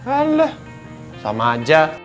alah sama aja